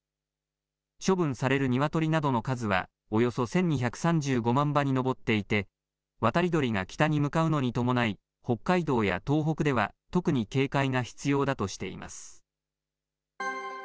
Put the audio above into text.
処分されるニワトリなどの数はおよそ１２３５万羽に上っていて、渡り鳥が北に向かうのに伴い、北海道や東北では、特に警戒が必要だとしています。